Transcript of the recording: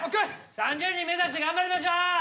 ３０人目指して頑張りましょ！